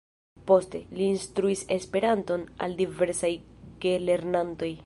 Poste, li instruis Esperanton al diversaj gelernantoj.